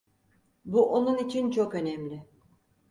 Bu onun için çok önemli.